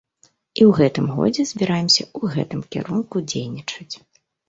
І ў гэтым годзе збіраемся ў гэтым кірунку дзейнічаць.